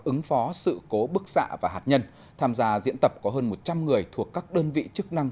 ứng phó sự cố bức xạ và hạt nhân tham gia diễn tập có hơn một trăm linh người thuộc các đơn vị chức năng